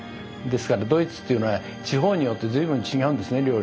ですからドイツっていうのは地方によって随分違うんですね